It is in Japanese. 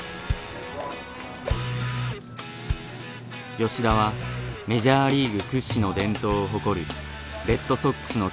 吉田はメジャーリーグ屈指の伝統を誇るレッドソックスのキャンプに合流した。